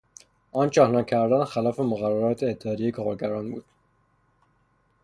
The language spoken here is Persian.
آنچه آنها کردند خلاف مقررات اتحایهی کارگران بود.